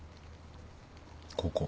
ここ。